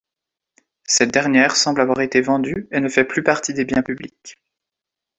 Cette dernière semble avoir été vendue et ne fait plus partie des biens publics.